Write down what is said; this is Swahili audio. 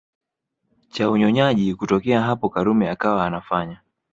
cha unyonyaji Kutokea hapo Karume akawa anafanya